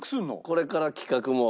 これから企画も。